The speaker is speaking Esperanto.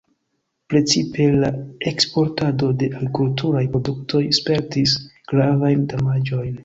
Precipe la eksportado de agrikulturaj produktoj spertis gravajn damaĝojn.